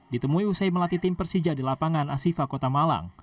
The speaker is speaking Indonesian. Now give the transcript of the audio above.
ditemui usai melatih tim persija di lapangan asifa kota malang